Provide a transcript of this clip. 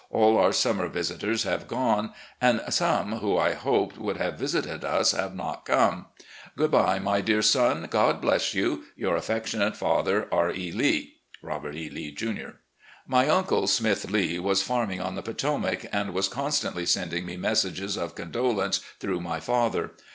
All our summer visitors have gone, and some who, I hoped. 244 RECOLLECTIONS OP GENERAL LEE would have visited us have not come. ... Good bye, my dear smi. God bless you. ... "Your affectionate father, "R. E. Lbb." "Robbrt E. Leb, Jr." My uncle, Smith Lee, was farming on the Potomac, and was constantly sending me messages of condolence through my father.